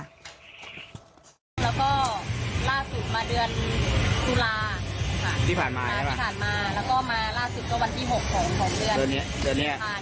ถามว่ามิสุทธิ์ยังไงก็แบบเสียใจอ่ะพี่เสียใจ